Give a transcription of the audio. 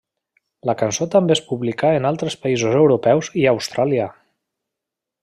La cançó també es publicà en altres països europeus i a Austràlia.